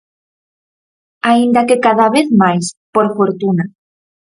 Aínda que cada vez máis, por fortuna.